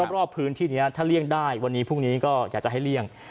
รอบพื้นที่นี้ถ้าเลี่ยงได้วันนี้พรุ่งนี้ก็อยากจะให้เลี่ยง